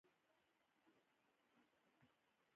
وزیر خان په نوې پوهه پوره سمبال کس و.